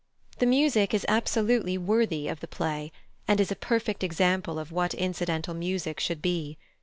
The music is absolutely worthy of the play, and is a perfect example of what incidental music should be.